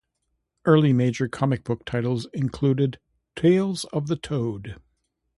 Other early major comic book titles included "Tales of Toad".